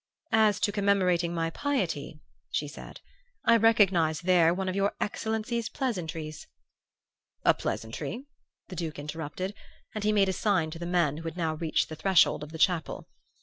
'As to commemorating my piety," she said, 'I recognize there one of your excellency's pleasantries ' "'A pleasantry?' the Duke interrupted; and he made a sign to the men, who had now reached the threshold of the chapel.